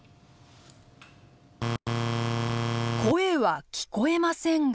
声は聞こえませんが。